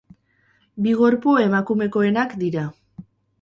Bi gorpu emakumekoenak dira.